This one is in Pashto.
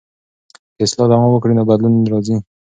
که اصلاح دوام وکړي نو بدلون راځي.